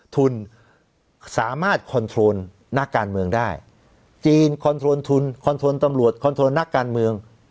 ทุนสามารถคอนโทรลนักการเมืองได้จีนคอนโทรลทุนคอนโทรตำรวจคอนโทรนักการเมือง